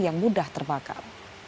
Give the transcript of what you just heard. yang mudah terbakar